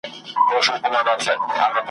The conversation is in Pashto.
د خزان یا مني په موسم کي ,